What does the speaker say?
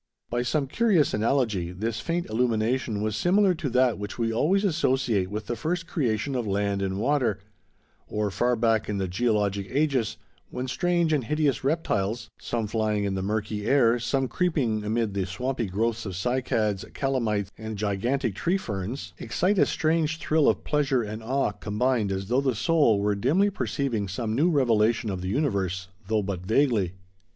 By some curious analogy, this faint illumination was similar to that which we always associate with the first creation of land and water; or far back in the geologic ages, when strange and hideous reptiles,—some flying in the murky air, some creeping amid the swampy growths of cycads, calamites, and gigantic tree ferns,—excite a strange thrill of pleasure and awe combined, as though the soul were dimly perceiving some new revelation of the universe, though but vaguely.